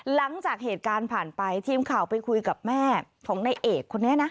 หลังจากเหตุการณ์ผ่านไปทีมข่าวไปคุยกับแม่ของนายเอกคนนี้นะ